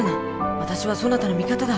私はそなたの味方だ。